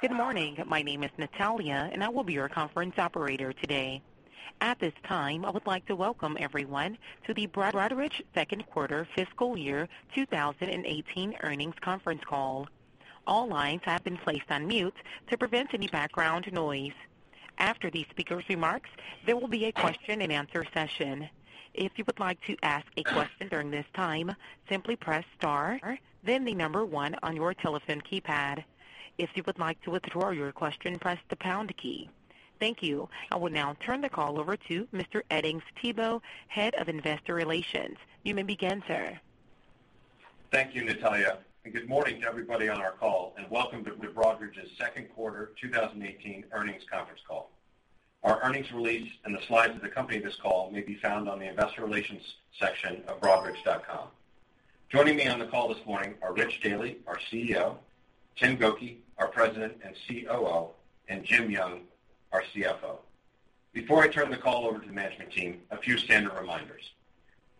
Good morning. My name is Natalia, and I will be your conference operator today. At this time, I would like to welcome everyone to the Broadridge second quarter fiscal year 2018 earnings conference call. All lines have been placed on mute to prevent any background noise. After the speaker's remarks, there will be a question and answer session. If you would like to ask a question during this time, simply press star, then the number one on your telephone keypad. If you would like to withdraw your question, press the pound key. Thank you. I will now turn the call over to Mr. Edings Thibault, Head of Investor Relations. You may begin, sir. Thank you, Natalia, good morning to everybody on our call, welcome to Broadridge's second quarter 2018 earnings conference call. Our earnings release and the slides that accompany this call may be found on the investor relations section of broadridge.com. Joining me on the call this morning are Rich Daly, our CEO, Tim Gokey, our President and COO, Jim Young, our CFO. Before I turn the call over to the management team, a few standard reminders.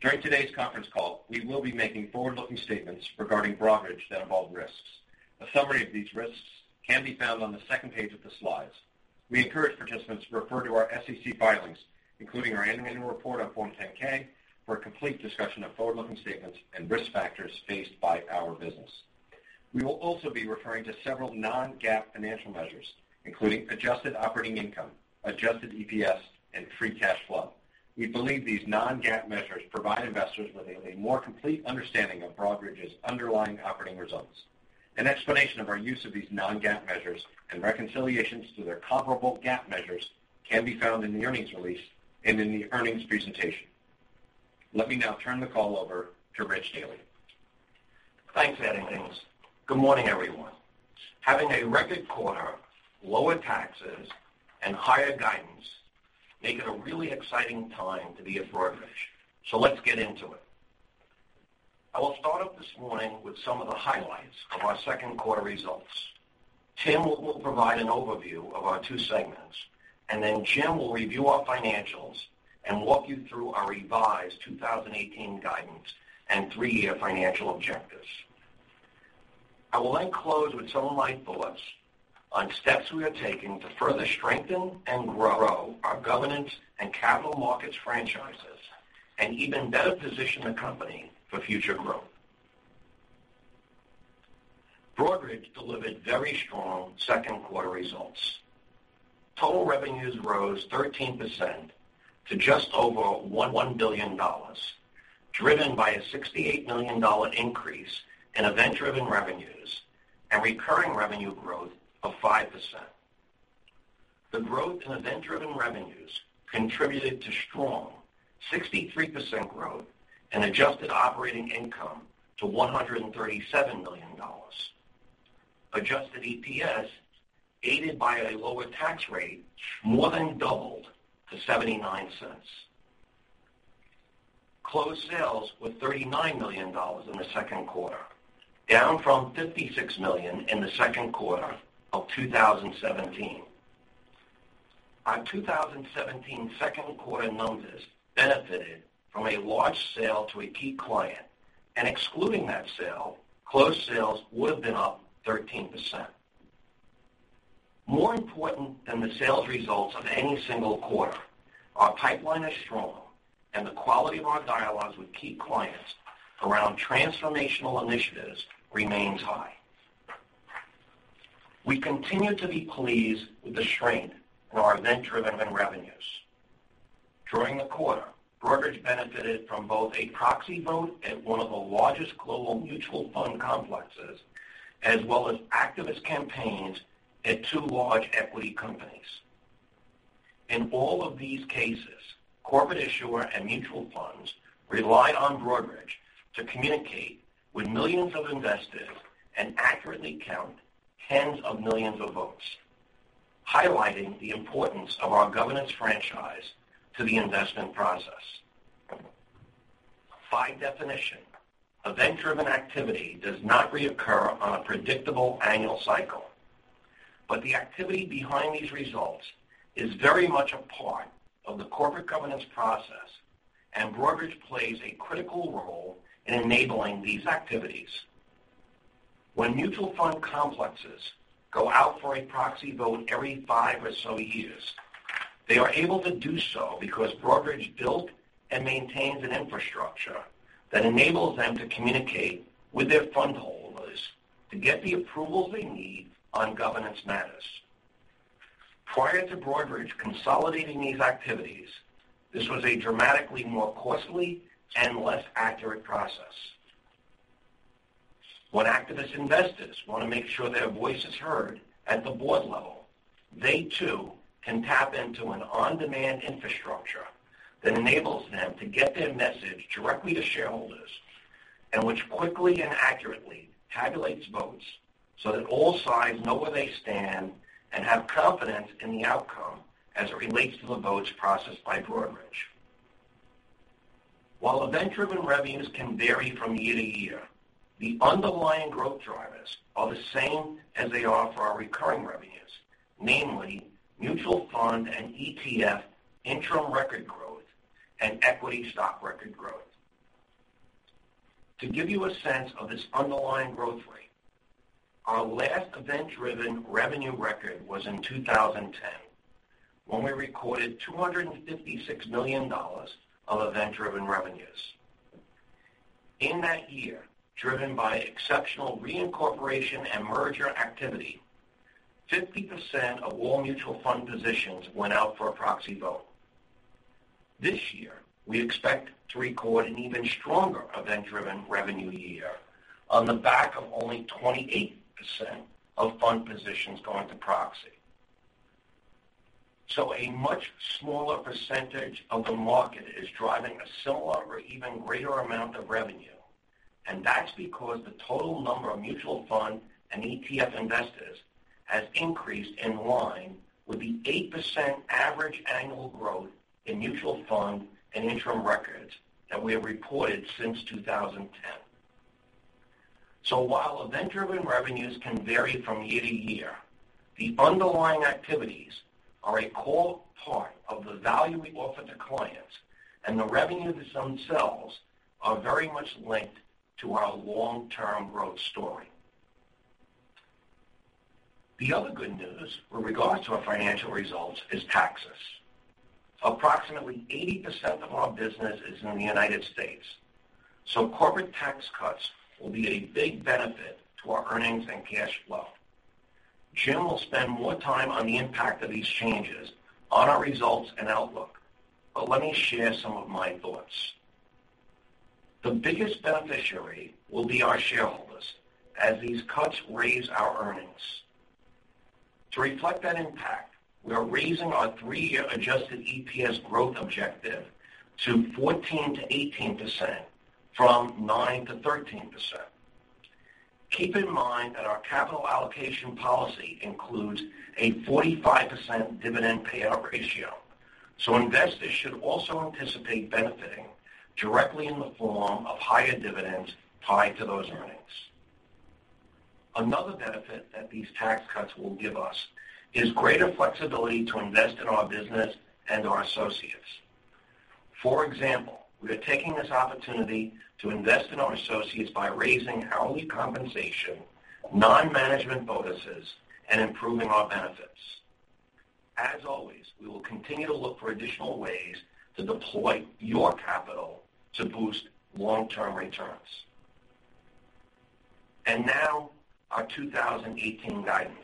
During today's conference call, we will be making forward-looking statements regarding Broadridge that involve risks. A summary of these risks can be found on the second page of the slides. We encourage participants to refer to our SEC filings, including our annual report on Form 10-K, for a complete discussion of forward-looking statements and risk factors faced by our business. We will also be referring to several non-GAAP financial measures, including adjusted operating income, adjusted EPS, and free cash flow. We believe these non-GAAP measures provide investors with a more complete understanding of Broadridge's underlying operating results. An explanation of our use of these non-GAAP measures and reconciliations to their comparable GAAP measures can be found in the earnings release and in the earnings presentation. Let me now turn the call over to Rich Daly. Thanks, Edings. Good morning, everyone. Having a record quarter, lower taxes, and higher guidance make it a really exciting time to be at Broadridge. Let's get into it. I will start off this morning with some of the highlights of our second quarter results. Tim will provide an overview of our two segments, Jim will review our financials and walk you through our revised 2018 guidance and three-year financial objectives. I will then close with some of my thoughts on steps we are taking to further strengthen and grow our governance and capital markets franchises and even better position the company for future growth. Broadridge delivered very strong second quarter results. Total revenues rose 13% to just over $1 billion, driven by a $68 million increase in event-driven revenues and recurring revenue growth of 5%. The growth in event-driven revenues contributed to strong 63% growth in adjusted operating income to $137 million. Adjusted EPS, aided by a lower tax rate, more than doubled to $0.79. Closed sales were $39 million in the second quarter, down from $56 million in the second quarter of 2017. Our 2017 second quarter numbers benefited from a large sale to a key client, and excluding that sale, closed sales would have been up 13%. More important than the sales results of any single quarter, our pipeline is strong, and the quality of our dialogues with key clients around transformational initiatives remains high. We continue to be pleased with the strength in our event-driven revenues. During the quarter, Broadridge benefited from both a proxy vote at one of the largest global mutual fund complexes, as well as activist campaigns at two large equity companies. In all of these cases, corporate issuer and mutual funds relied on Broadridge to communicate with millions of investors and accurately count tens of millions of votes, highlighting the importance of our governance franchise to the investment process. By definition, event-driven activity does not reoccur on a predictable annual cycle, but the activity behind these results is very much a part of the corporate governance process, and Broadridge plays a critical role in enabling these activities. When mutual fund complexes go out for a proxy vote every five or so years, they are able to do so because Broadridge built and maintains an infrastructure that enables them to communicate with their fund holders to get the approvals they need on governance matters. Prior to Broadridge consolidating these activities, this was a dramatically more costly and less accurate process. When activist investors want to make sure their voice is heard at the board level, they too can tap into an on-demand infrastructure that enables them to get their message directly to shareholders and which quickly and accurately tabulates votes so that all sides know where they stand and have confidence in the outcome as it relates to the votes processed by Broadridge. While event-driven revenues can vary from year to year, the underlying growth drivers are the same as they are for our recurring revenues, namely mutual fund and ETF interim record growth and equity stock record growth. To give you a sense of this underlying growth rate, our last event-driven revenue record was in 2010, when we recorded $256 million of event-driven revenues. In that year, driven by exceptional reincorporation and merger activity, 50% of all mutual fund positions went out for a proxy vote. A much smaller percentage of the market is driving a similar or even greater amount of revenue, and that's because the total number of mutual fund and ETF investors has increased in line with the 8% average annual growth in mutual fund and interim records that we have reported since 2010. While event-driven revenues can vary from year to year, the underlying activities are a core part of the value we offer to clients, and the revenues themselves are very much linked to our long-term growth story. The other good news with regards to our financial results is taxes. Approximately 80% of our business is in the U.S., so corporate tax cuts will be a big benefit to our earnings and cash flow. Jim will spend more time on the impact of these changes on our results and outlook. Let me share some of my thoughts. The biggest beneficiary will be our shareholders, as these cuts raise our earnings. To reflect that impact, we are raising our three-year adjusted EPS growth objective to 14%-18% from 9%-13%. Keep in mind that our capital allocation policy includes a 45% dividend payout ratio, so investors should also anticipate benefiting directly in the form of higher dividends tied to those earnings. Another benefit that these tax cuts will give us is greater flexibility to invest in our business and our associates. For example, we are taking this opportunity to invest in our associates by raising hourly compensation, non-management bonuses, and improving our benefits. As always, we will continue to look for additional ways to deploy your capital to boost long-term returns. Now our 2018 guidance.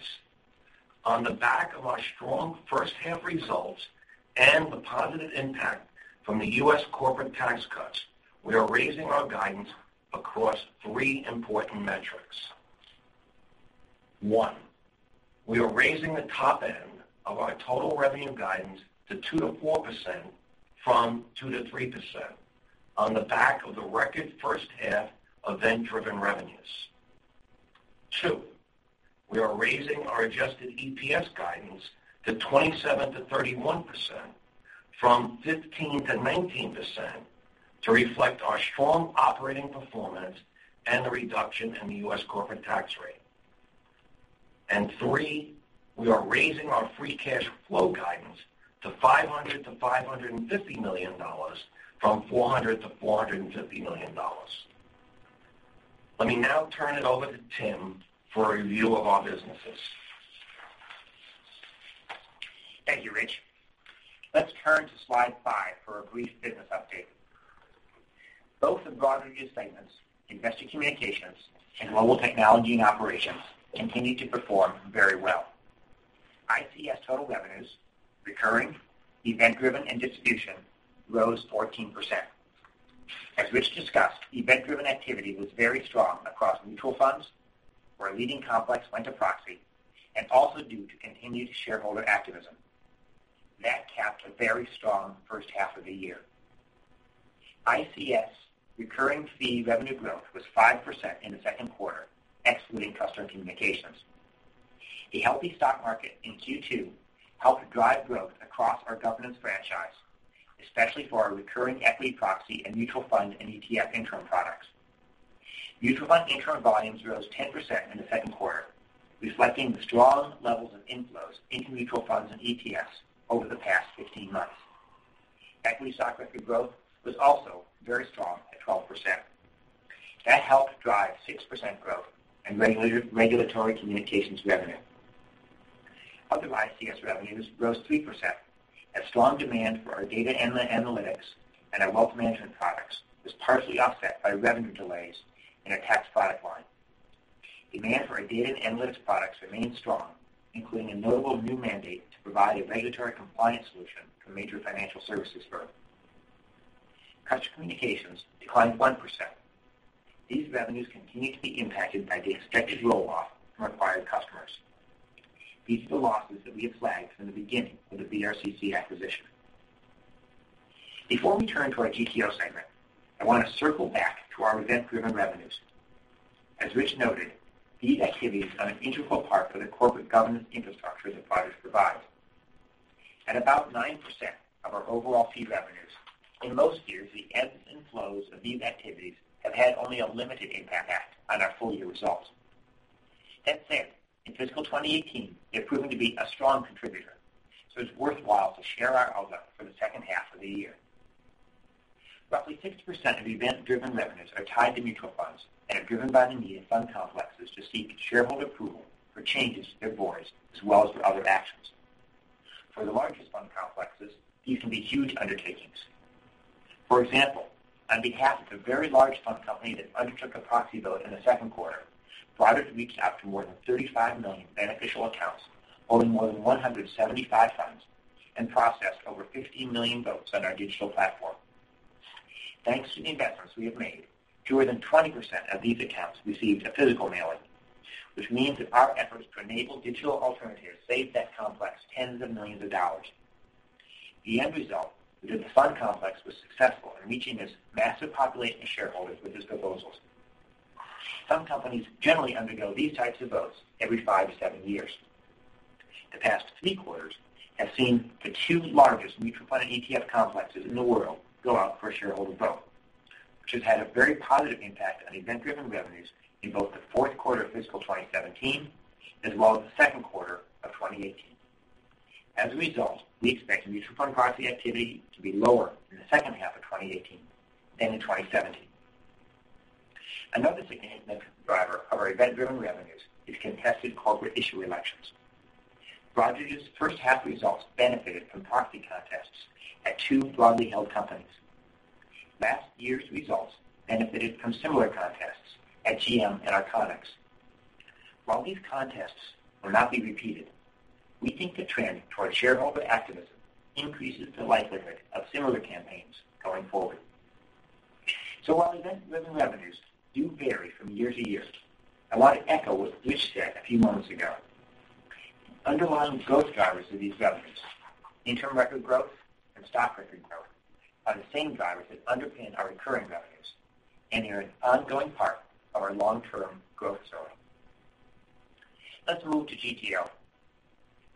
On the back of our strong first-half results and the positive impact from the U.S. corporate tax cuts, we are raising our guidance across three important metrics. One, we are raising the top end of our total revenue guidance to 2%-4% from 2%-3% on the back of the record first half event-driven revenues. Two, we are raising our adjusted EPS guidance to 27%-31% from 15%-19% to reflect our strong operating performance and the reduction in the U.S. corporate tax rate. Three, we are raising our free cash flow guidance to $500 million-$550 million from $400 million-$450 million. Let me now turn it over to Tim for a review of our businesses. Thank you, Rich. Let's turn to slide five for a brief business update. Both of Broadridge's segments, Investor Communications and Global Technology and Operations, continue to perform very well. ICS total revenues, recurring, event-driven, and distribution rose 14%. As Rich discussed, event-driven activity was very strong across mutual funds where a leading complex went to proxy and also due to continued shareholder activism. That capped a very strong first half of the year. ICS recurring fee revenue growth was 5% in the second quarter, excluding Customer Communications. A healthy stock market in Q2 helped drive growth across our governance franchise, especially for our recurring equity proxy and mutual fund and ETF interim products. Mutual fund interim volumes rose 10% in the second quarter, reflecting the strong levels of inflows into mutual funds and ETFs over the past 15 months. Equity stock record growth was also very strong at 12%. That helped drive 6% growth in regulatory communications revenue. Other ICS revenues rose 3% as strong demand for our data analytics and our wealth management products was partially offset by revenue delays in a tax product line. Demand for our data and analytics products remained strong, including a notable new mandate to provide a regulatory compliance solution for a major financial services firm. Customer Communications declined 1%. These revenues continue to be impacted by the expected roll-off from acquired customers. These are the losses that we have flagged from the beginning of the BRCC acquisition. Before we turn to our GTO segment, I want to circle back to our event-driven revenues. As Rich noted, these activities are an integral part of the corporate governance infrastructure that Broadridge provides. At about 9% of our overall fee revenues, in most years, the ebbs and flows of these activities have had only a limited impact on our full-year results. That said, in fiscal 2018, they're proving to be a strong contributor, so it's worthwhile to share our outlook for the second half of the year. Roughly 60% of event-driven revenues are tied to mutual funds and are driven by the need of fund complexes to seek shareholder approval for changes to their boards, as well as for other actions. For the largest fund complexes, these can be huge undertakings. For example, on behalf of a very large fund company that undertook a proxy vote in the second quarter, Broadridge reached out to more than 35 million beneficial accounts holding more than 175 funds and processed over 15 million votes on our digital platform. Thanks to the investments we have made, fewer than 20% of these accounts received a physical mailing, which means that our efforts to enable digital alternatives saved that complex tens of millions of dollars. The end result was that the fund complex was successful in reaching this massive population of shareholders with its proposals. Fund companies generally undergo these types of votes every five to seven years. The past three quarters have seen the two largest mutual fund and ETF complexes in the world go out for a shareholder vote, which has had a very positive impact on event-driven revenues in both the fourth quarter of fiscal 2017, as well as the second quarter of 2018. As a result, we expect mutual fund proxy activity to be lower in the second half of 2018 than in 2017. Another significant driver of our event-driven revenues is contested corporate issue elections. Broadridge's first half results benefited from proxy contests at two broadly held companies. Last year's results benefited from similar contests at GM and Iconix. While these contests will not be repeated, we think the trend towards shareholder activism increases the likelihood of similar campaigns going forward. While event-driven revenues do vary from year to year, I want to echo what Rich said a few moments ago. The underlying growth drivers of these revenues, interim record growth and stock record growth, are the same drivers that underpin our recurring revenues and are an ongoing part of our long-term growth story. Let's move to GTO.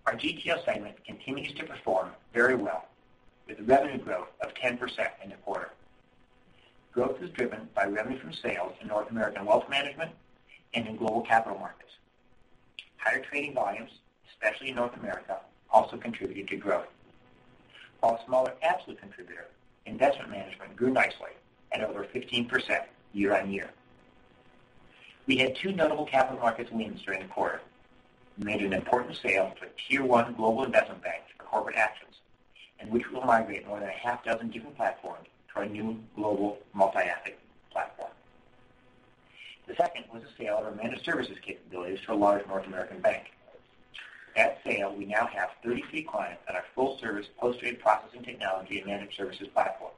Our GTO segment continues to perform very well with revenue growth of 10% in the quarter. Growth was driven by revenue from sales in North American wealth management and in global capital markets. Higher trading volumes, especially in North America, also contributed to growth. While a smaller absolute contributor, investment management grew nicely at over 15% year-on-year. We had two notable capital markets wins during the quarter. We made an important sale to a tier 1 global investment bank for corporate actions in which we will migrate more than a half dozen different platforms to our new global multi-asset platform. The second was a sale of our managed services capabilities to a large North American bank. At sale, we now have 33 clients on our full-service post-trade processing technology and managed services platform.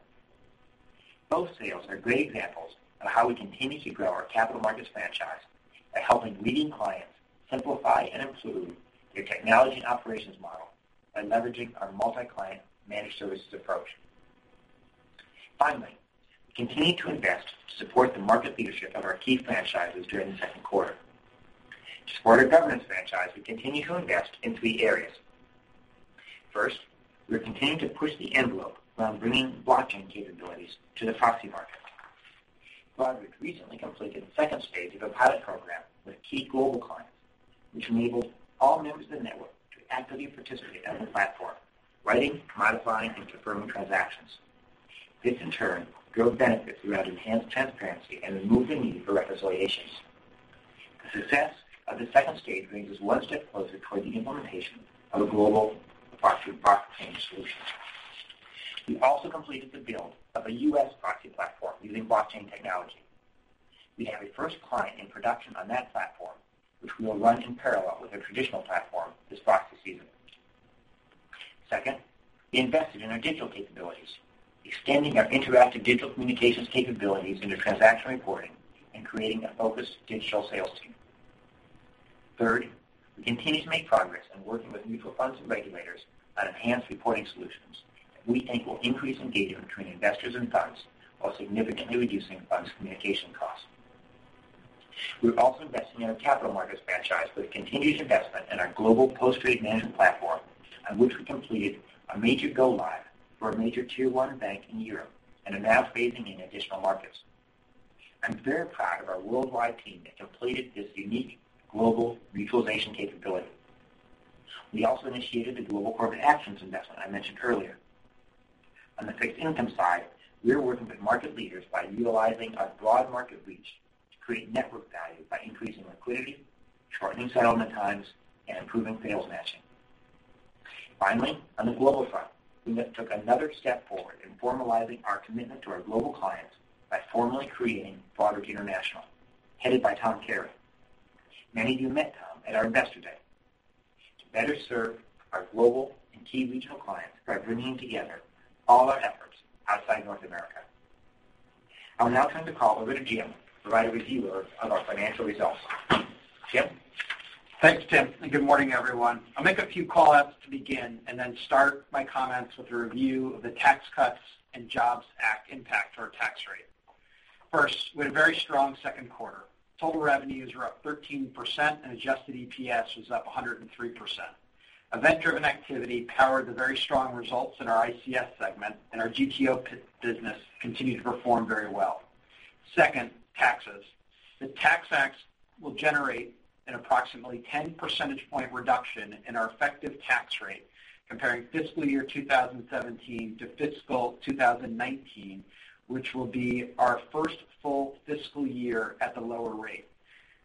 Both sales are great examples of how we continue to grow our capital markets franchise by helping leading clients simplify and improve their technology and operations model by leveraging our multi-client managed services approach. Finally, we continued to invest to support the market leadership of our key franchises during the second quarter. To support our governance franchise, we continue to invest in three areas. First, we are continuing to push the envelope around bringing blockchain capabilities to the proxy market. Broadridge recently completed the stage 2 of a pilot program with a key global client, which enables all members of the network to actively participate on the platform, writing, modifying, and confirming transactions. This, in turn, drove benefits throughout enhanced transparency and removed the need for reconciliations. The success of the stage 2 brings us one step closer toward the implementation of a global proxy blockchain solution. We also completed the build of a U.S. proxy platform using blockchain technology. We have a first client in production on that platform, which we will run in parallel with their traditional platform this proxy season. Second, we invested in our digital capabilities, extending our interactive digital communications capabilities into transaction reporting and creating a focused digital sales team. Third, we continue to make progress on working with mutual funds and regulators on enhanced reporting solutions that we think will increase engagement between investors and funds while significantly reducing the fund's communication costs. We're also investing in our capital markets franchise with continued investment in our global post-trade management platform, on which we completed a major go-live for a major tier 1 bank in Europe and are now phasing in additional markets. I'm very proud of our worldwide team that completed this unique global mutualization capability. We also initiated the global corporate actions investment I mentioned earlier. On the fixed income side, we are working with market leaders by utilizing our broad market reach to create network value by increasing liquidity, shortening settlement times, and improving sales matching. Finally, on the global front, we took another step forward in formalizing our commitment to our global clients by formally creating Broadridge International, headed by Tom Carey. Many of you met Tom at our Investor Day. To better serve our global and key regional clients by bringing together all our efforts outside North America. I will now turn the call over to Jim to provide a review of our financial results. Jim? Thanks, Tim, and good morning, everyone. First, we had a very strong second quarter. Total revenues were up 13%, and adjusted EPS was up 103%. Event-driven activity powered the very strong results in our ICS segment, and our GTO business continued to perform very well. Second, taxes. The Tax Act will generate an approximately 10 percentage point reduction in our effective tax rate comparing fiscal year 2017 to fiscal 2019, which will be our first full fiscal year at the lower rate.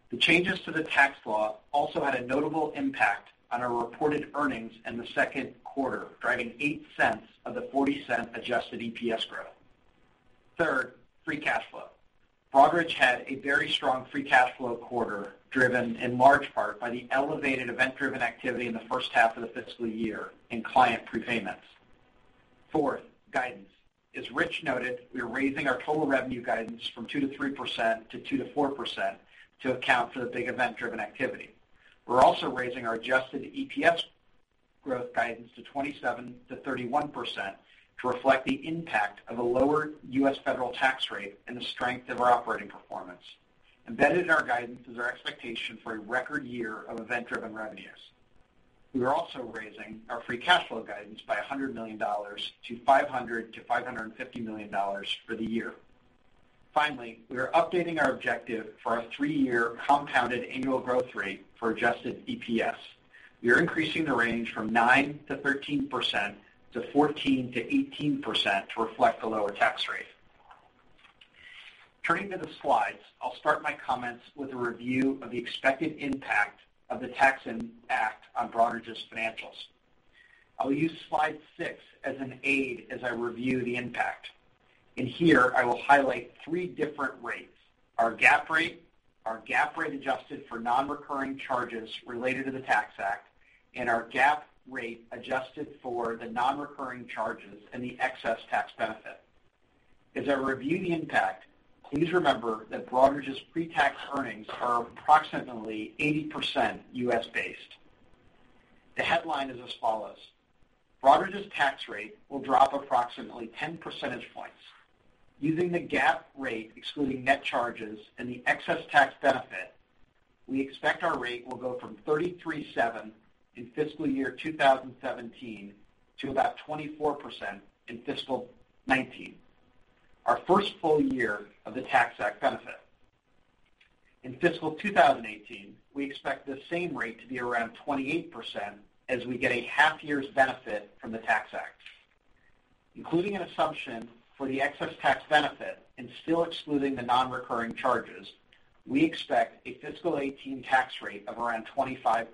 The changes to the tax law also had a notable impact on our reported earnings in the second quarter, driving $0.08 of the $0.40 adjusted EPS growth. Third, free cash flow. Broadridge had a very strong free cash flow quarter, driven in large part by the elevated event-driven activity in the first half of the fiscal year in client prepayments. Fourth, guidance. As Rich noted, we are raising our total revenue guidance from 2%-3% to 2%-4% to account for the big event-driven activity. We are also raising our adjusted EPS growth guidance to 27%-31% to reflect the impact of a lower U.S. federal tax rate and the strength of our operating performance. Embedded in our guidance is our expectation for a record year of event-driven revenues. We are also raising our free cash flow guidance by $100 million to $500 million-$550 million for the year. Finally, we are updating our objective for our three-year compounded annual growth rate for adjusted EPS. We are increasing the range from 9%-13% to 14%-18% to reflect the lower tax rate. Turning to the slides, I will start my comments with a review of the expected impact of the Tax Act on Broadridge's financials. I will use slide six as an aid as I review the impact. In here, I will highlight three different rates. Our GAAP rate, our GAAP rate adjusted for non-recurring charges related to the Tax Act, and our GAAP rate adjusted for the non-recurring charges and the excess tax benefit. As I review the impact, please remember that Broadridge's pre-tax earnings are approximately 80% U.S.-based. The headline is as follows. Broadridge's tax rate will drop approximately 10 percentage points. Using the GAAP rate excluding net charges and the excess tax benefit, we expect our rate will go from 33.7% in fiscal year 2017 to about 24% in fiscal 2019, our first full year of the Tax Act benefit. In fiscal 2018, we expect this same rate to be around 28% as we get a half year's benefit from the Tax Act. Including an assumption for the excess tax benefit and still excluding the non-recurring charges, we expect a fiscal 2018 tax rate of around 25%.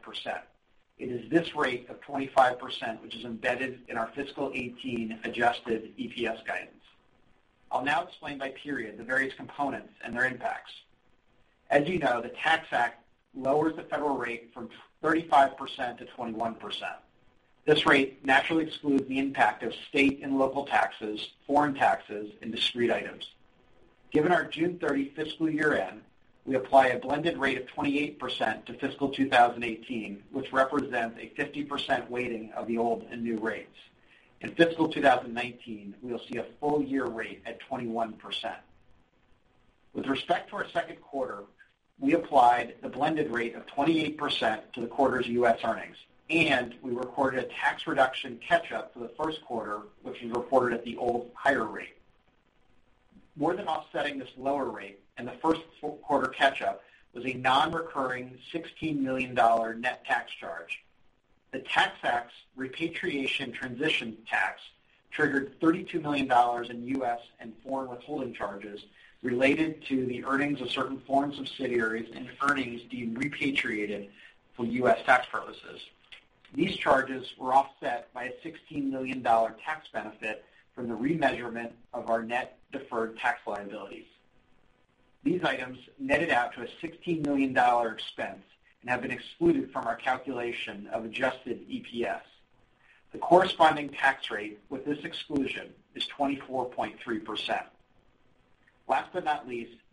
It is this rate of 25% which is embedded in our fiscal 2018 adjusted EPS guidance. I will now explain by period the various components and their impacts. As you know, the Tax Act lowers the federal rate from 35%-21%. This rate naturally excludes the impact of state and local taxes, foreign taxes, and discrete items. Given our June 30 fiscal year-end, we apply a blended rate of 28% to fiscal 2018, which represents a 50% weighting of the old and new rates. In fiscal 2019, we will see a full-year rate at 21%. With respect to our second quarter, we applied the blended rate of 28% to the quarter's U.S. earnings, and we recorded a tax reduction catch-up for the first quarter, which we reported at the old higher rate. More than offsetting this lower rate and the first full quarter catch-up was a non-recurring $16 million net tax charge. The Tax Act's repatriation transition tax triggered $32 million in U.S. and foreign withholding charges related to the earnings of certain foreign subsidiaries and earnings deemed repatriated for U.S. tax purposes. These charges were offset by a $16 million tax benefit from the remeasurement of our net deferred tax liabilities. These items netted out to a $16 million expense and have been excluded from our calculation of adjusted EPS. The corresponding tax rate with this exclusion is 24.3%.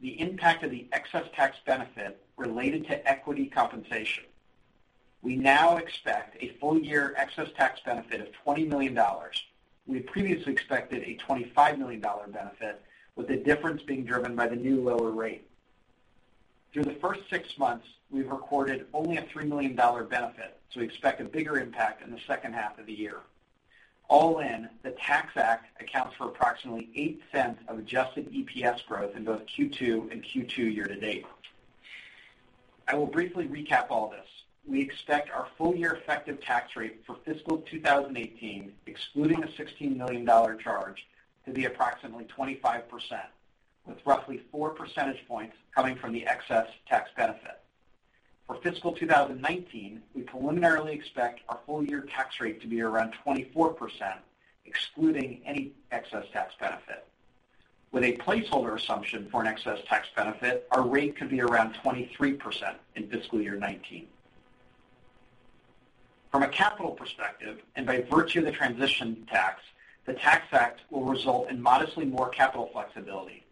The impact of the excess tax benefit related to equity compensation. We now expect a full-year excess tax benefit of $20 million. We previously expected a $25 million benefit, with the difference being driven by the new lower rate. Through the first six months, we've recorded only a $3 million benefit, so we expect a bigger impact in the second half of the year. All in, the Tax Act accounts for approximately $0.08 of adjusted EPS growth in both Q2 and Q2 year to date. I will briefly recap all this. We expect our full-year effective tax rate for fiscal 2018, excluding the $16 million charge, to be approximately 25%, with roughly four percentage points coming from the excess tax benefit. For fiscal 2019, we preliminarily expect our full-year tax rate to be around 24%, excluding any excess tax benefit. With a placeholder assumption for an excess tax benefit, our rate could be around 23% in fiscal year 2019. From a capital perspective, and by virtue of the transition tax, the Tax Act will result in modestly more capital flexibility.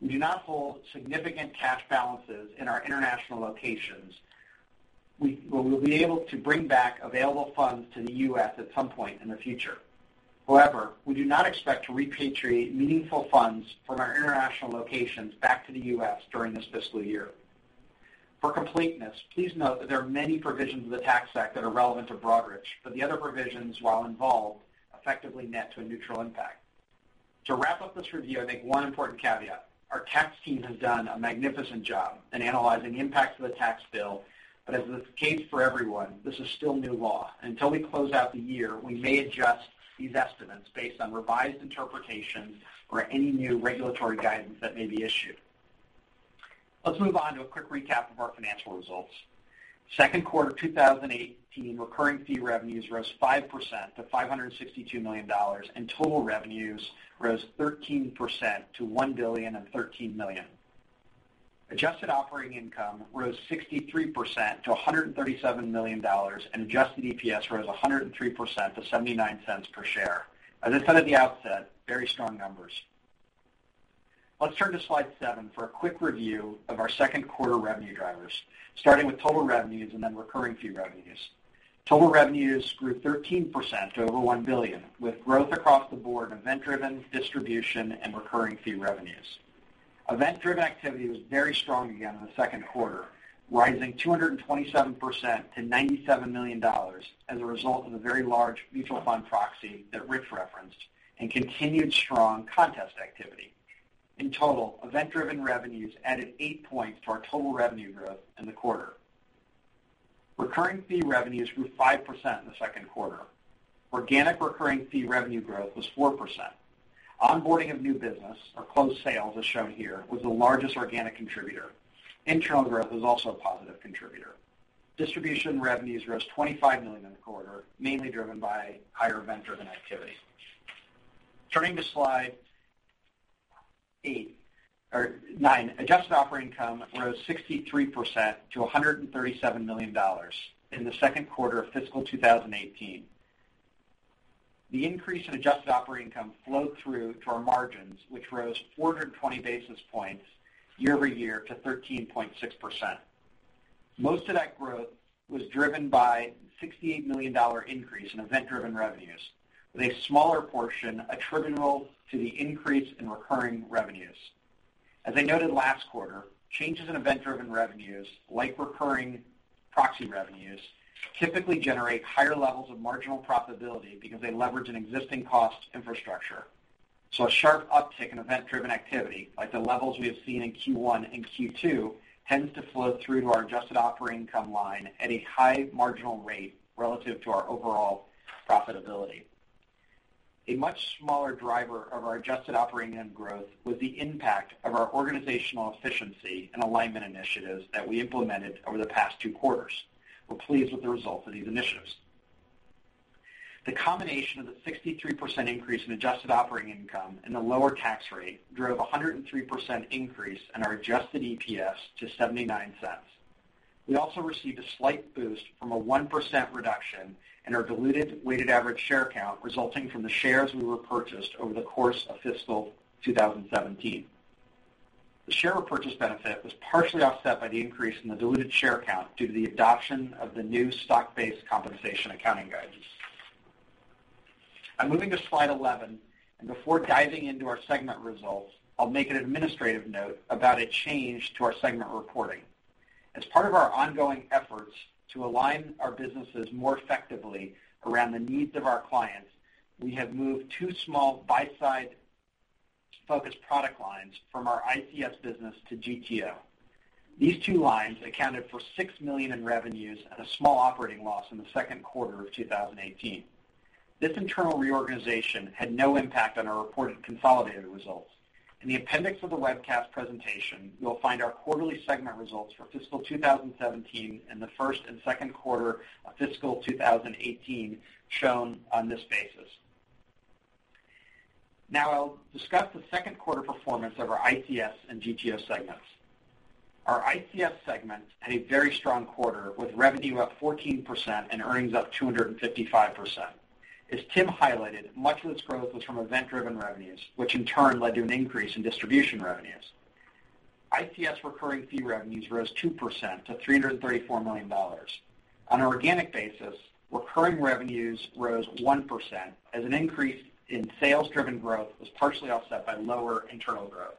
We do not hold significant cash balances in our international locations. We will be able to bring back available funds to the U.S. at some point in the future. However, we do not expect to repatriate meaningful funds from our international locations back to the U.S. during this fiscal year. For completeness, please note that there are many provisions of the Tax Act that are relevant to Broadridge, but the other provisions, while involved, effectively net to a neutral impact. To wrap up this review, I make one important caveat. Our tax team has done a magnificent job in analyzing the impacts of the tax bill. As is the case for everyone, this is still new law. Until we close out the year, we may adjust these estimates based on revised interpretation or any new regulatory guidance that may be issued. Let's move on to a quick recap of our financial results. Second quarter 2018 recurring fee revenues rose 5% to $562 million. Total revenues rose 13% to $1,013 million. Adjusted operating income rose 63% to $137 million. Adjusted EPS rose 103% to $0.79 per share. As I said at the outset, very strong numbers. Let's turn to slide seven for a quick review of our second quarter revenue drivers. Starting with total revenues and then recurring fee revenues. Total revenues grew 13% to over $1 billion, with growth across the board event driven, distribution, and recurring fee revenues. Event-driven activity was very strong again in the second quarter, rising 227% to $97 million as a result of the very large mutual fund proxy that Rich referenced, and continued strong contest activity. In total, event-driven revenues added eight points to our total revenue growth in the quarter. Recurring fee revenues grew 5% in the second quarter. Organic recurring fee revenue growth was 4%. Onboarding of new business or closed sales, as shown here, was the largest organic contributor. Internal growth was also a positive contributor. Distribution revenues rose $25 million in the quarter, mainly driven by higher event-driven activity. Turning to slide nine, adjusted operating income rose 63% to $137 million in the second quarter of fiscal 2018. The increase in adjusted operating income flowed through to our margins, which rose 420 basis points year-over-year to 13.6%. Most of that growth was driven by $68 million increase in event-driven revenues, with a smaller portion attributable to the increase in recurring revenues. As I noted last quarter, changes in event-driven revenues, like recurring proxy revenues, typically generate higher levels of marginal profitability because they leverage an existing cost infrastructure. A sharp uptick in event-driven activity, like the levels we have seen in Q1 and Q2, tends to flow through to our adjusted operating income line at a high marginal rate relative to our overall profitability. A much smaller driver of our adjusted operating income growth was the impact of our organizational efficiency and alignment initiatives that we implemented over the past two quarters. We're pleased with the results of these initiatives. The combination of the 63% increase in adjusted operating income and the lower tax rate drove 103% increase in our adjusted EPS to $0.79. We also received a slight boost from a 1% reduction in our diluted weighted average share count resulting from the shares we repurchased over the course of fiscal 2017. The share repurchase benefit was partially offset by the increase in the diluted share count due to the adoption of the new stock-based compensation accounting guidance. Moving to slide 11, before diving into our segment results, I'll make an administrative note about a change to our segment reporting. As part of our ongoing efforts to align our businesses more effectively around the needs of our clients, we have moved two small buy-side focused product lines from our ICS business to GTO. These two lines accounted for $6 million in revenues and a small operating loss in the second quarter of 2018. This internal reorganization had no impact on our reported consolidated results. In the appendix of the webcast presentation, you will find our quarterly segment results for fiscal 2017 and the first and second quarter of fiscal 2018 shown on this basis. I'll discuss the second quarter performance of our ICS and GTO segments. Our ICS segment had a very strong quarter, with revenue up 14% and earnings up 255%. As Tim highlighted, much of this growth was from event-driven revenues, which in turn led to an increase in distribution revenues. ICS recurring fee revenues rose 2% to $334 million. On an organic basis, recurring revenues rose 1%, as an increase in sales-driven growth was partially offset by lower internal growth.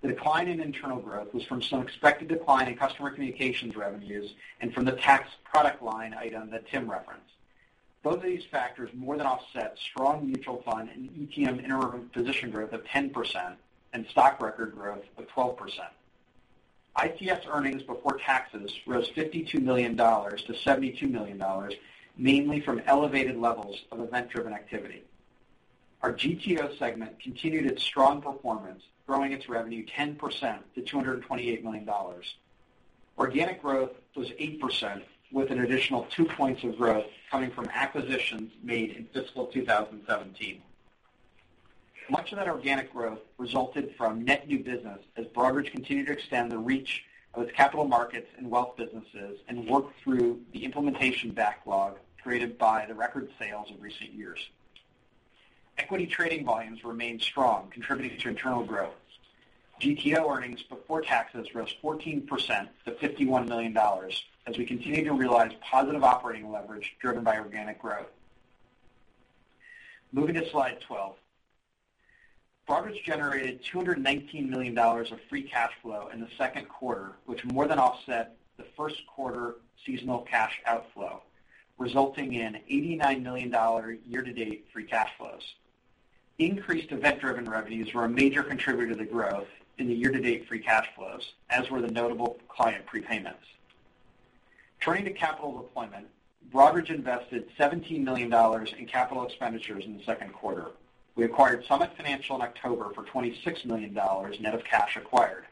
The decline in internal growth was from some expected decline in Customer Communications revenues and from the tax product line item that Tim referenced. Both of these factors more than offset strong mutual fund and ETF interim position growth of 10% and stock record growth of 12%. ICS earnings before taxes rose $52 million to $72 million, mainly from elevated levels of event-driven activity. Our GTO segment continued its strong performance, growing its revenue 10% to $228 million. Organic growth was 8%, with an additional two points of growth coming from acquisitions made in fiscal 2017. Much of that organic growth resulted from net new business as Broadridge continued to extend the reach of its capital markets and wealth businesses and work through the implementation backlog created by the record sales of recent years. Equity trading volumes remained strong, contributing to internal growth. GTO earnings before taxes rose 14% to $51 million as we continue to realize positive operating leverage driven by organic growth. Moving to slide 12, Broadridge generated $219 million of free cash flow in the second quarter, which more than offset the first quarter seasonal cash outflow, resulting in $89 million year-to-date free cash flows. Increased event-driven revenues were a major contributor to growth in the year-to-date free cash flows, as were the notable client prepayments. Turning to capital deployment, Broadridge invested $17 million in capital expenditures in the second quarter. We acquired Summit Financial in October for $26 million net of cash acquired.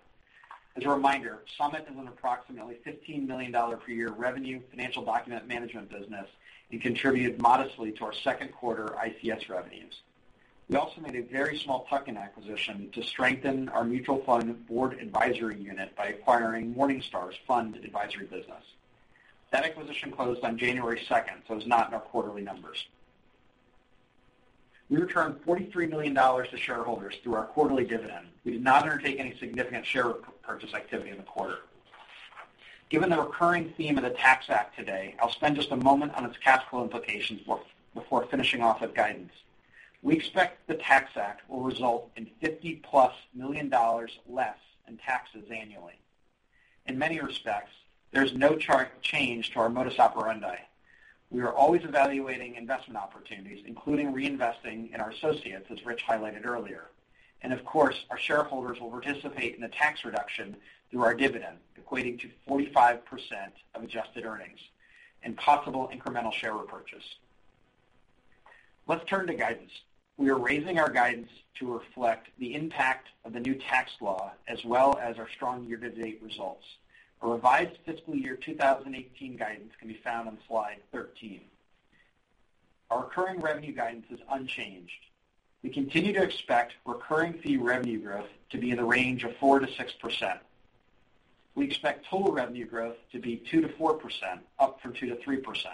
As a reminder, Summit is an approximately $15 million per year revenue financial document management business and contributed modestly to our second quarter ICS revenues. We also made a very small tuck-in acquisition to strengthen our mutual fund board advisory unit by acquiring Morningstar's fund advisory business. That acquisition closed on January 2nd, so it is not in our quarterly numbers. We returned $43 million to shareholders through our quarterly dividend. We did not undertake any significant share purchase activity in the quarter. Given the recurring theme of the Tax Act today, I will spend just a moment on its cash flow implications before finishing off with guidance. We expect the Tax Act will result in $50-plus million less in taxes annually. In many respects, there is no change to our modus operandi. We are always evaluating investment opportunities, including reinvesting in our associates, as Rich highlighted earlier. Of course, our shareholders will participate in the tax reduction through our dividend, equating to 45% of adjusted earnings and possible incremental share repurchase. Let us turn to guidance. We are raising our guidance to reflect the impact of the new tax law, as well as our strong year-to-date results. A revised fiscal year 2018 guidance can be found on slide 13. Our recurring revenue guidance is unchanged. We continue to expect recurring fee revenue growth to be in the range of 4% to 6%. We expect total revenue growth to be 2% to 4%, up from 2% to 3%.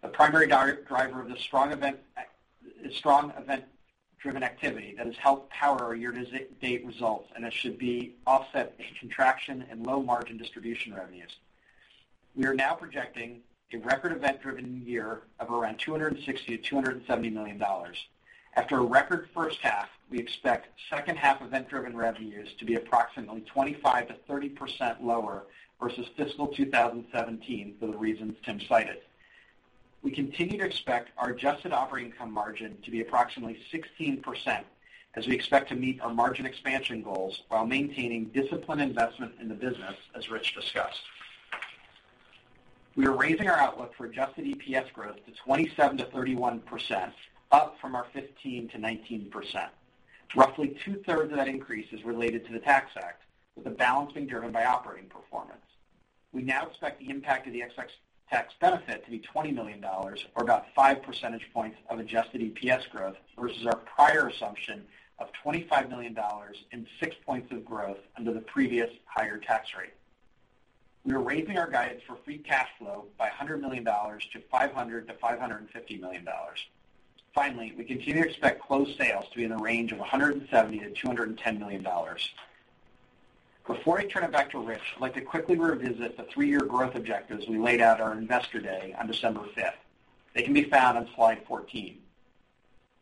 The primary driver of this is strong event-driven activity that has helped power our year-to-date results, and that should be offset by contraction in low-margin distribution revenues. We are now projecting a record event-driven year of around $260 million to $270 million. After a record first half, we expect second half event-driven revenues to be approximately 25%-30% lower versus fiscal 2017 for the reasons Tim cited. We continue to expect our adjusted operating income margin to be approximately 16% as we expect to meet our margin expansion goals while maintaining disciplined investment in the business, as Rich discussed. We are raising our outlook for adjusted EPS growth to 27%-31%, up from our 15%-19%. Roughly two-thirds of that increase is related to the Tax Act, with the balance being driven by operating performance. We now expect the impact of the tax benefit to be $20 million, or about five percentage points of adjusted EPS growth versus our prior assumption of $25 million and six points of growth under the previous higher tax rate. We are raising our guidance for free cash flow by $100 million to $500 million-$550 million. Finally, we continue to expect closed sales to be in the range of $170 million-$210 million. Before I turn it back to Rich, I'd like to quickly revisit the three-year growth objectives we laid out at our Investor Day on December 5th. They can be found on slide 14.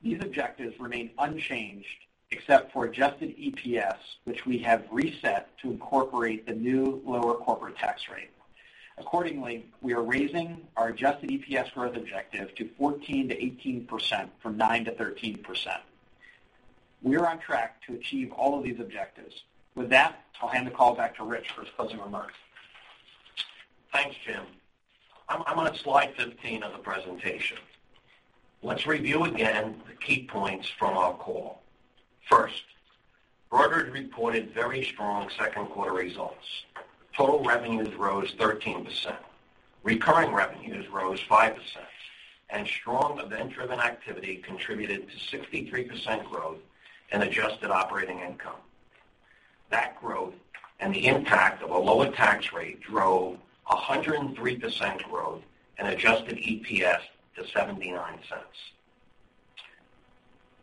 These objectives remain unchanged except for adjusted EPS, which we have reset to incorporate the new lower corporate tax rate. Accordingly, we are raising our adjusted EPS growth objective to 14%-18% from 9%-13%. We are on track to achieve all of these objectives. I'll hand the call back to Rich for his closing remarks. Thanks, Jim. I'm on slide 15 of the presentation. Let's review again the key points from our call. First, Broadridge reported very strong second quarter results. Total revenues rose 13%. Recurring revenues rose 5%, and strong event-driven activity contributed to 63% growth in adjusted operating income. That growth and the impact of a lower tax rate drove 103% growth in adjusted EPS to $0.79.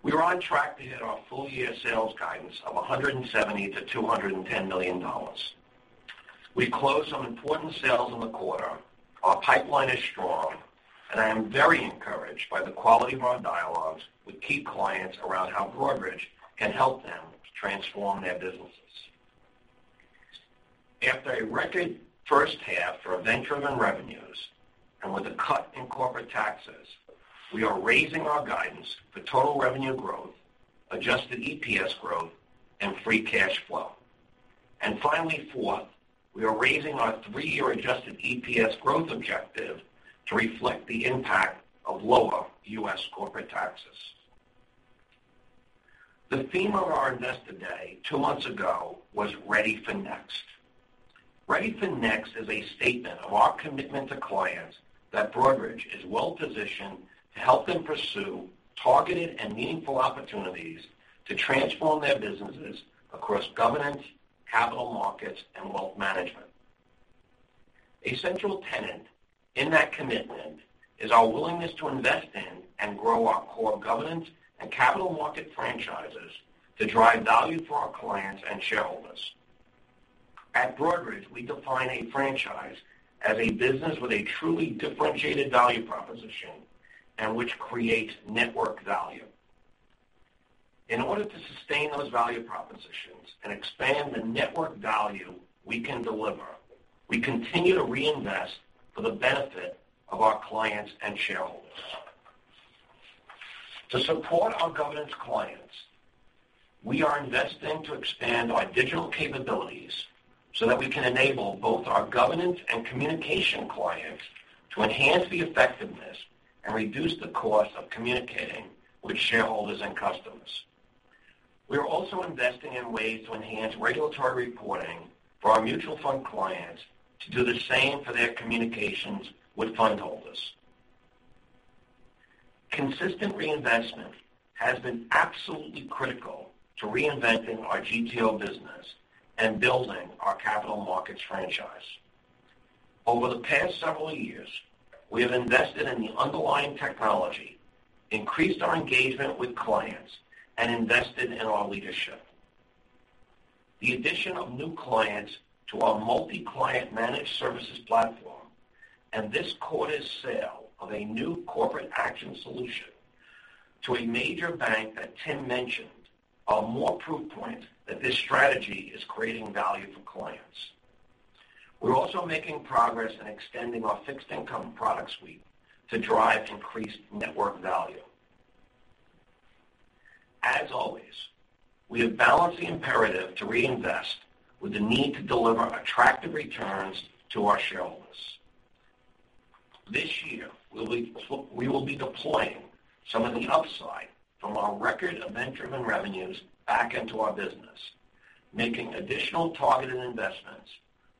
We are on track to hit our full-year sales guidance of $170 million-$210 million. We closed some important sales in the quarter. Our pipeline is strong, and I am very encouraged by the quality of our dialogues with key clients around how Broadridge can help them transform their businesses. After a record first half for event-driven revenues, with a cut in corporate taxes, we are raising our guidance for total revenue growth, adjusted EPS growth, and free cash flow. Finally, 4, we are raising our three-year adjusted EPS growth objective to reflect the impact of lower U.S. corporate taxes. The theme of our Investor Day two months ago was Ready for Next. Ready for Next is a statement of our commitment to clients that Broadridge is well-positioned to help them pursue targeted and meaningful opportunities to transform their businesses across governance, capital markets, and wealth management. A central tenet in that commitment is our willingness to invest in and grow our core governance and capital market franchises to drive value for our clients and shareholders. At Broadridge, we define a franchise as a business with a truly differentiated value proposition and which creates network value. In order to sustain those value propositions and expand the network value we can deliver, we continue to reinvest for the benefit of our clients and shareholders. To support our governance clients, we are investing to expand our digital capabilities so that we can enable both our governance and communication clients to enhance the effectiveness and reduce the cost of communicating with shareholders and customers. We are also investing in ways to enhance regulatory reporting for our mutual fund clients to do the same for their communications with fund holders. Consistent reinvestment has been absolutely critical to reinventing our GTO business and building our capital markets franchise. Over the past several years, we have invested in the underlying technology, increased our engagement with clients, and invested in our leadership. The addition of new clients to our multi-client managed services platform and this quarter's sale of a new corporate action solution to a major bank that Tim mentioned are more proof points that this strategy is creating value for clients. We're also making progress in extending our fixed income product suite to drive increased network value. As always, we have balanced the imperative to reinvest with the need to deliver attractive returns to our shareholders. This year, we will be deploying some of the upside from our record event-driven revenues back into our business, making additional targeted investments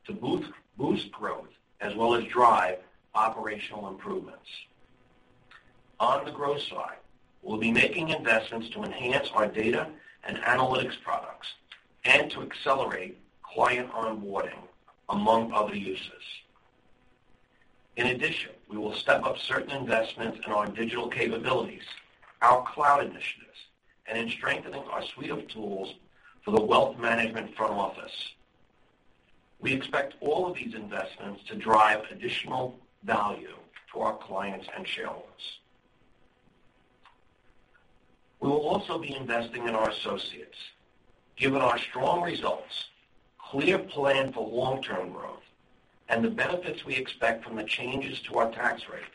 to boost growth as well as drive operational improvements. On the growth side, we'll be making investments to enhance our data and analytics products and to accelerate client onboarding, among other uses. In addition, we will step up certain investments in our digital capabilities, our cloud initiatives, and in strengthening our suite of tools for the wealth management front office. We expect all of these investments to drive additional value to our clients and shareholders. We will also be investing in our associates. Given our strong results, clear plan for long-term growth, and the benefits we expect from the changes to our tax rates,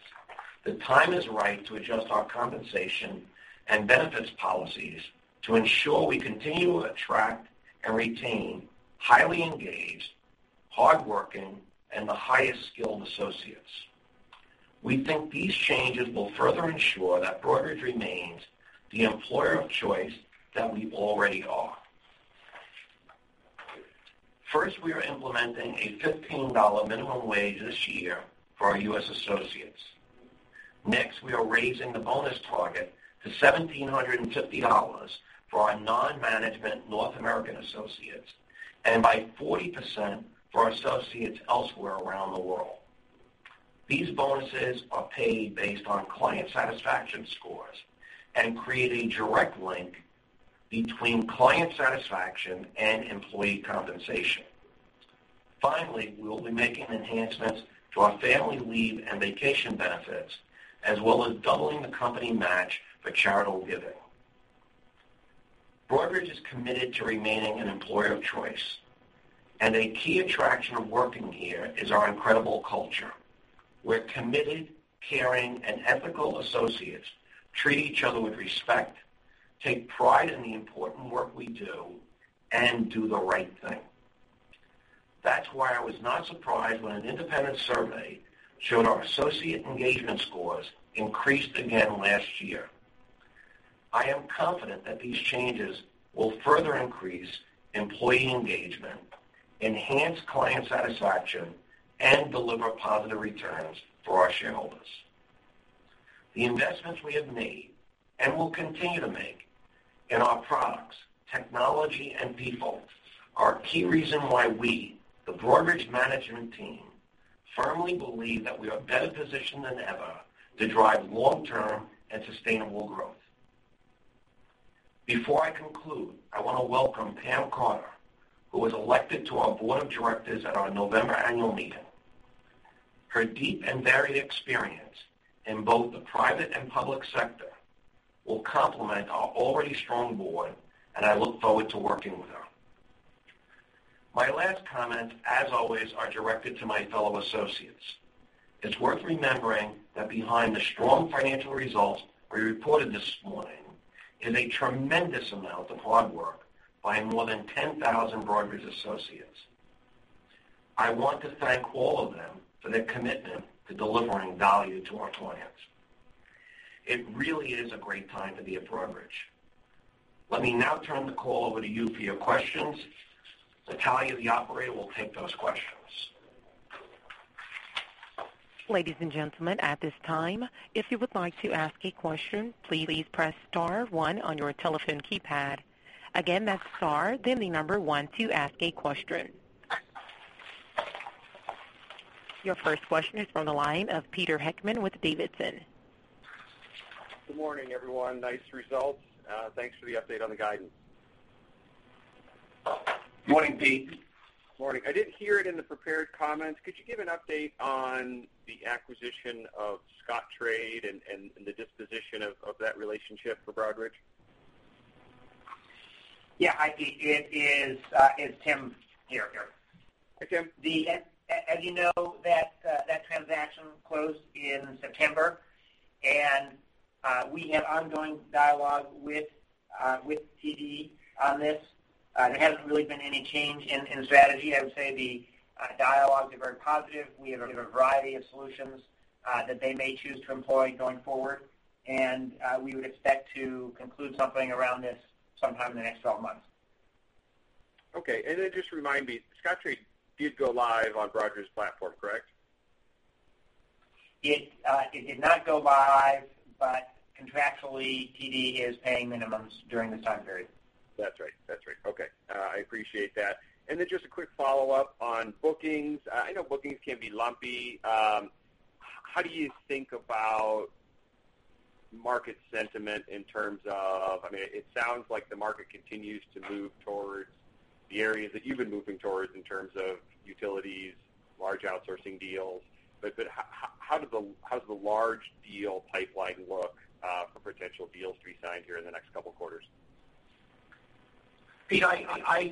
the time is right to adjust our compensation and benefits policies to ensure we continue to attract and retain highly engaged, hardworking, and the highest skilled associates. We think these changes will further ensure that Broadridge remains the employer of choice that we already are. First, we are implementing a $15 minimum wage this year for our U.S. associates. Next, we are raising the bonus target to $1,750 for our non-management North American associates and by 40% for our associates elsewhere around the world. These bonuses are paid based on client satisfaction scores and create a direct link between client satisfaction and employee compensation. Finally, we will be making enhancements to our family leave and vacation benefits, as well as doubling the company match for charitable giving. Broadridge is committed to remaining an employer of choice, a key attraction of working here is our incredible culture, where committed, caring, and ethical associates treat each other with respect, take pride in the important work we do, and do the right thing. That's why I was not surprised when an independent survey showed our associate engagement scores increased again last year. I am confident that these changes will further increase employee engagement, enhance client satisfaction, and deliver positive returns for our shareholders. The investments we have made and will continue to make in our products, technology, and people are a key reason why we, the Broadridge management team, firmly believe that we are better positioned than ever to drive long-term and sustainable growth. Before I conclude, I want to welcome Pam Carter, who was elected to our board of directors at our November annual meeting. Her deep and varied experience in both the private and public sector will complement our already strong board, I look forward to working with her. My last comment, as always, are directed to my fellow associates. It's worth remembering that behind the strong financial results we reported this morning is a tremendous amount of hard work by more than 10,000 Broadridge associates. I want to thank all of them for their commitment to delivering value to our clients. It really is a great time to be at Broadridge. Let me now turn the call over to you for your questions. Natalia, the operator, will take those questions. Ladies and gentlemen, at this time, if you would like to ask a question, please press star one on your telephone keypad. Again, that's star then the number one to ask a question. Your first question is from the line of Peter Heckmann with Davidson. Good morning, everyone. Nice results. Thanks for the update on the guidance. Good morning, Pete. Morning. I didn't hear it in the prepared comments. Could you give an update on the acquisition of Scottrade and the disposition of that relationship for Broadridge? Yeah. Hi, Pete. Is Tim here? Here. Tim, as you know, that transaction closed in September, and we have ongoing dialogue with TD on this. There hasn't really been any change in strategy. I would say the dialogues are very positive. We have a variety of solutions that they may choose to employ going forward, and we would expect to conclude something around this sometime in the next 12 months. Okay. Just remind me, Scottrade did go live on Broadridge's platform, correct? It did not go live, but contractually, TD is paying minimums during this time period. That's right. Okay. I appreciate that. Just a quick follow-up on bookings. I know bookings can be lumpy. How do you think about market sentiment in terms of-- It sounds like the market continues to move towards the areas that you've been moving towards in terms of utilities, large outsourcing deals, how does the large deal pipeline look for potential deals to be signed here in the next couple of quarters? Pete, I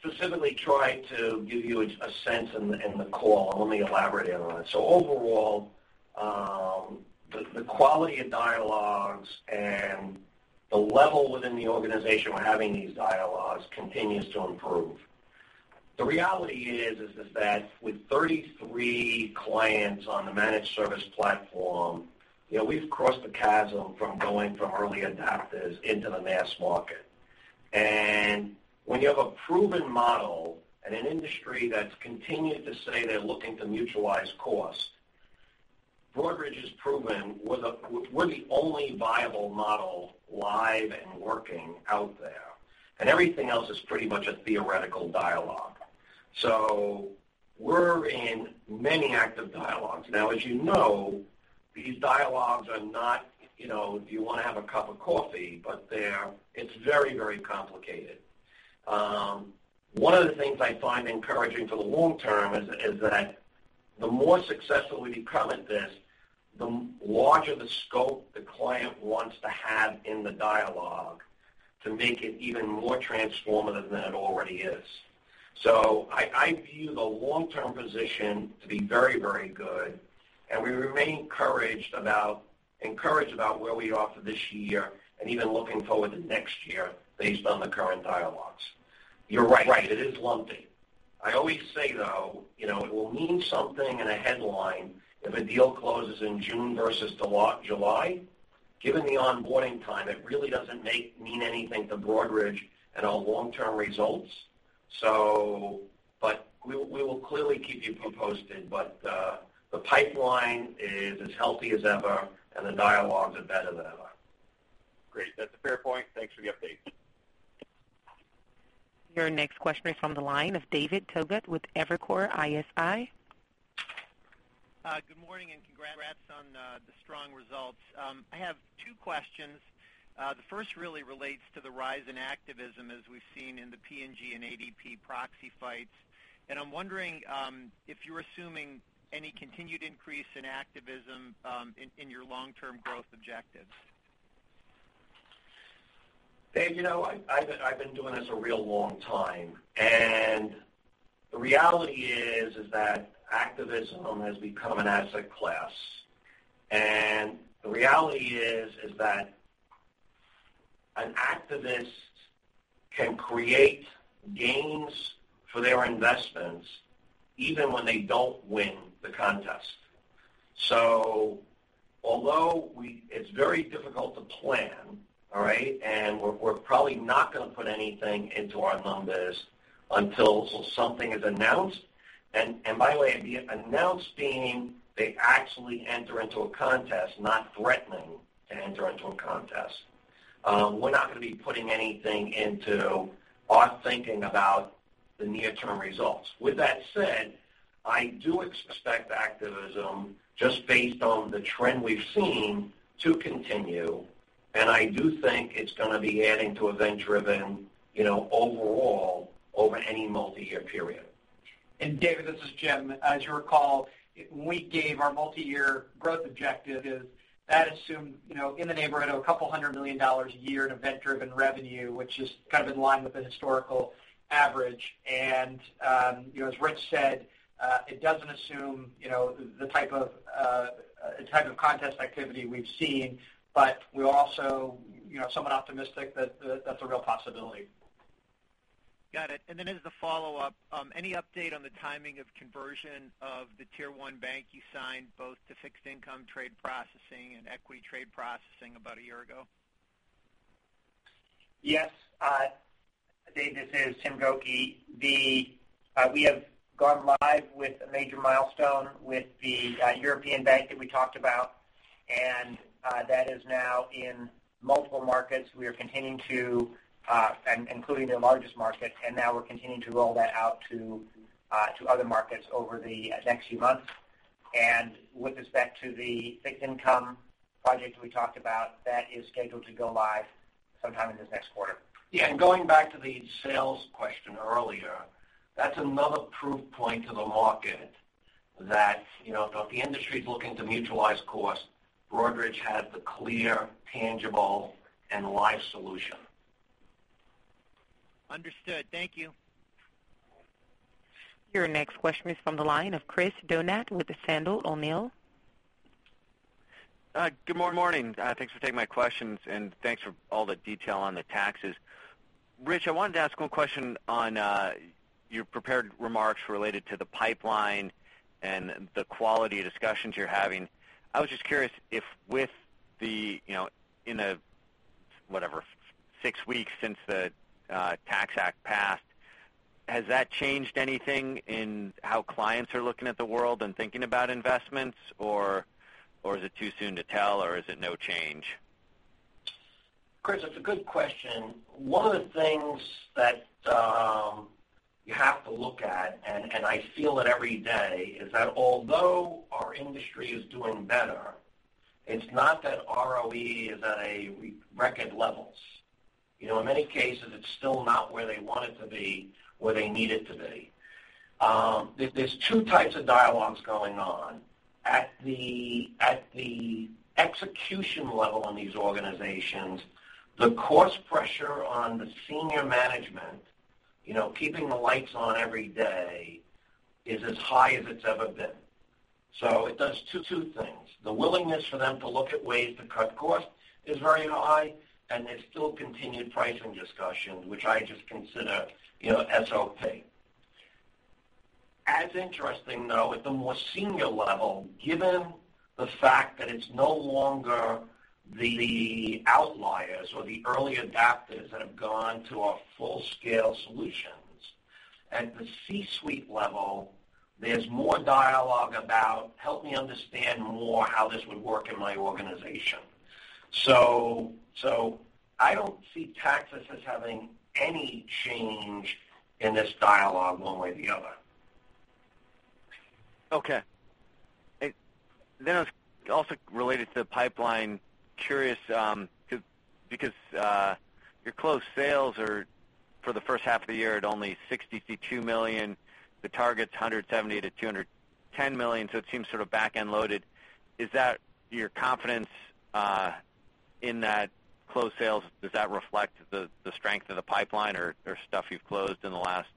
specifically tried to give you a sense in the call. Let me elaborate on it. Overall, the quality of dialogues and the level within the organization we're having these dialogues continues to improve. The reality is that with 33 clients on the managed service platform, we've crossed the chasm from going from early adopters into the mass market. When you have a proven model in an industry that's continued to say they're looking to mutualize cost, Broadridge has proven we're the only viable model live and working out there, everything else is pretty much a theoretical dialogue. We're in many active dialogues. As you know, these dialogues are not, do you want to have a cup of coffee, it's very complicated. One of the things I find encouraging for the long term is that the more successful we become at this, the larger the scope the client wants to have in the dialogue to make it even more transformative than it already is. I view the long-term position to be very good, we remain encouraged about where we are for this year even looking forward to next year based on the current dialogues. You're right. It is lumpy. I always say, though, it will mean something in a headline if a deal closes in June versus July. Given the onboarding time, it really doesn't mean anything to Broadridge and our long-term results. We will clearly keep you posted, the pipeline is as healthy as ever, the dialogues are better than ever. Great. That's a fair point. Thanks for the update. Your next question is from the line of David Togut with Evercore ISI. Good morning, congrats on the strong results. I have two questions. The first really relates to the rise in activism as we've seen in the P&G and ADP proxy fights. I'm wondering if you're assuming any continued increase in activism in your long-term growth objectives. Dave, I've been doing this a real long time. The reality is, activism has become an asset class. The reality is, an activist can create gains for their investments even when they don't win the contest. Although it's very difficult to plan, all right, we're probably not going to put anything into our numbers until something is announced. By the way, announced being they actually enter into a contest, not threatening to enter into a contest. We're not going to be putting anything into our thinking about the near-term results. With that said, I do expect activism just based on the trend we've seen to continue. I do think it's going to be adding to event-driven, overall over any multi-year period. David, this is Jim. As you recall, when we gave our multi-year growth objective, that assumed in the neighborhood of a couple hundred million dollars a year in event-driven revenue, which is kind of in line with the historical average. As Rich said, it doesn't assume the type of contest activity we've seen, but we're also somewhat optimistic that that's a real possibility. Got it. Then as a follow-up, any update on the timing of conversion of the Tier 1 bank you signed both to fixed income trade processing and equity trade processing about a year ago? Yes. Dave, this is Tim Gokey. We have gone live with a major milestone with the European bank that we talked about, that is now in multiple markets. We are continuing to, including their largest market, now we're continuing to roll that out to other markets over the next few months. With respect to the fixed income project we talked about, that is scheduled to go live sometime in this next quarter. Yeah. Going back to the sales question earlier, that's another proof point to the market that if the industry's looking to mutualize cost, Broadridge has the clear, tangible, and live solution. Understood. Thank you. Your next question is from the line of Chris Donat with Sandler O'Neill. Good morning. Thanks for taking my questions, and thanks for all the detail on the taxes. Rich, I wanted to ask one question on your prepared remarks related to the pipeline and the quality of discussions you're having. I was just curious if whatever, six weeks since the Tax Act passed, has that changed anything in how clients are looking at the world and thinking about investments, or is it too soon to tell, or is it no change? Chris, it's a good question. One of the things that you have to look at, and I feel it every day, is that although our industry is doing better, it's not that ROE is at a record levels. In many cases, it's still not where they want it to be, where they need it to be. There's 2 types of dialogues going on. At the execution level in these organizations, the cost pressure on the senior management, keeping the lights on every day, is as high as it's ever been. It does two things. The willingness for them to look at ways to cut costs is very high, and there's still continued pricing discussion, which I just consider SOP. As interesting, though, at the more senior level, given the fact that it's no longer the outliers or the early adopters that have gone to our full-scale solutions. At the C-suite level, there's more dialogue about help me understand more how this would work in my organization. I don't see taxes as having any change in this dialogue one way or the other. Okay. Also related to the pipeline, curious because your closed sales are, for the first half of the year, at only $62 million. The target's $170 million-$210 million, so it seems sort of back-end loaded. Is that your confidence in that closed sales, does that reflect the strength of the pipeline or stuff you've closed in the last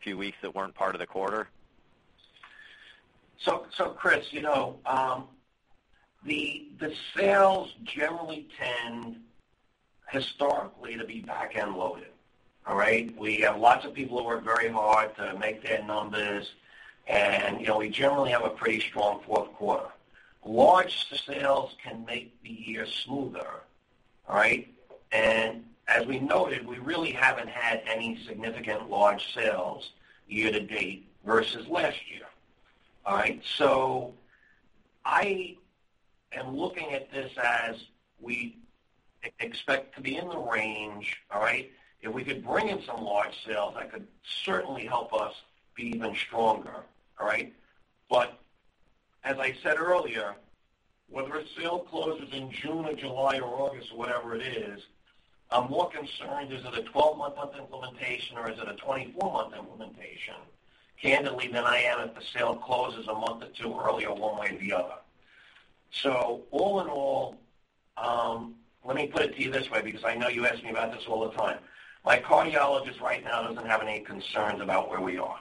few weeks that weren't part of the quarter? Chris, the sales generally tend historically to be back-end loaded. All right? We have lots of people who work very hard to make their numbers, and we generally have a pretty strong fourth quarter. Large sales can make the year smoother. All right? As we noted, we really haven't had any significant large sales year-to-date versus last year. All right? I am looking at this as we expect to be in the range. All right? If we could bring in some large sales, that could certainly help us be even stronger. All right? As I said earlier, whether a sale closes in June or July or August, whatever it is, I'm more concerned is it a 12-month implementation or is it a 24-month implementation, candidly, than I am if the sale closes a month or two earlier, one way or the other. All in all, let me put it to you this way, because I know you ask me about this all the time. My cardiologist right now doesn't have any concerns about where we are.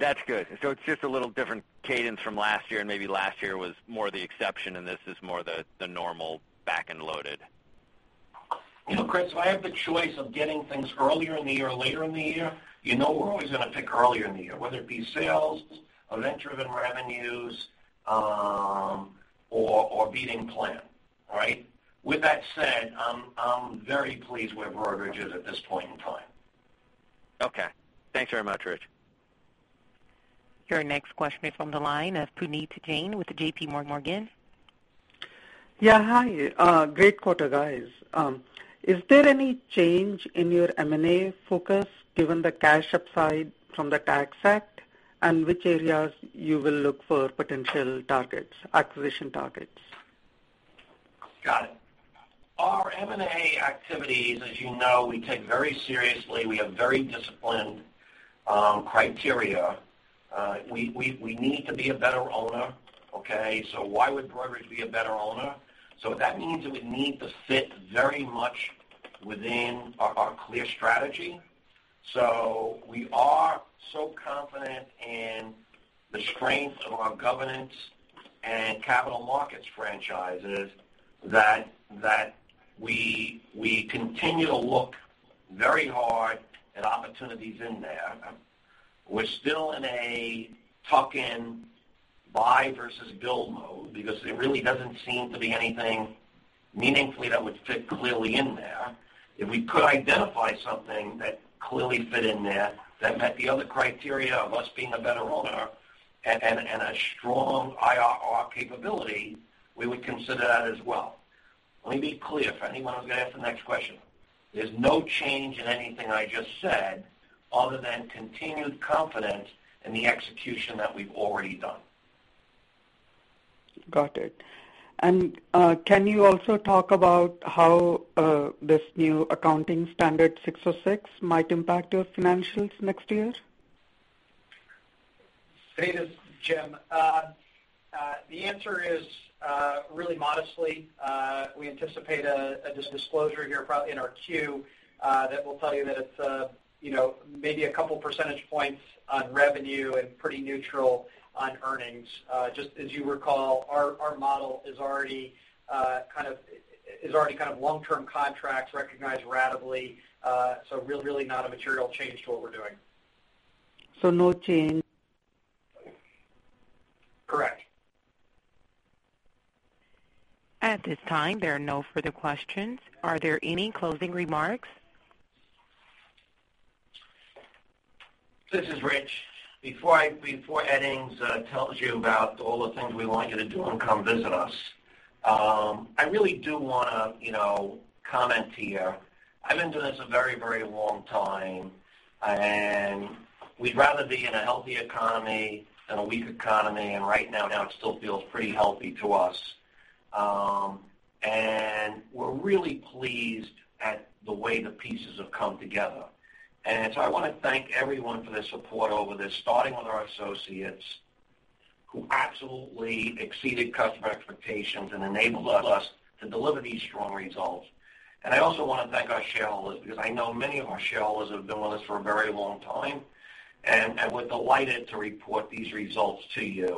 That's good. It's just a little different cadence from last year, maybe last year was more the exception and this is more the normal back-end loaded. You know, Chris, if I have the choice of getting things earlier in the year or later in the year, you know we're always going to pick earlier in the year, whether it be sales, event-driven revenues, or beating plan. All right? With that said, I'm very pleased where Broadridge is at this point in time. Okay. Thanks very much, Rich. Your next question is from the line of Puneet Jain with JPMorgan. Yeah. Hi. Great quarter, guys. Is there any change in your M&A focus given the cash upside from the Tax Act, and which areas you will look for potential targets, acquisition targets? Got it. Our M&A activities, as you know, we take very seriously. We have very disciplined criteria. We need to be a better owner. Okay? Why would Broadridge be a better owner? That means that we need to fit very much within our clear strategy. We are so confident in the strength of our governance and capital markets franchises that we continue to look very hard at opportunities in there. We're still in a tuck-in Buy versus build mode, because there really doesn't seem to be anything meaningfully that would fit clearly in there. If we could identify something that clearly fit in there, that met the other criteria of us being a better owner and a strong IRR capability, we would consider that as well. Let me be clear, for anyone who's going to ask the next question. There's no change in anything I just said other than continued confidence in the execution that we've already done. Got it. Can you also talk about how this new accounting standard 606 might impact your financials next year? This is Jim. The answer is, really modestly, we anticipate a disclosure here probably in our Q that will tell you that it's maybe a couple percentage points on revenue and pretty neutral on earnings. Just as you recall, our model is already kind of long-term contracts recognized ratably, really not a material change to what we're doing. no change? Correct. At this time, there are no further questions. Are there any closing remarks? This is Rich. Before Edings tells you about all the things we want you to do and come visit us, I really do want to comment here. I've been doing this a very long time, and we'd rather be in a healthy economy than a weak economy, and right now it still feels pretty healthy to us. We're really pleased at the way the pieces have come together. I want to thank everyone for their support over this, starting with our associates, who absolutely exceeded customer expectations and enabled us to deliver these strong results. I also want to thank our shareholders, because I know many of our shareholders have been with us for a very long time, and we're delighted to report these results to you